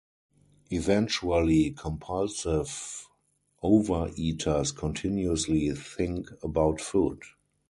Eventually, compulsive overeaters continuously think about food.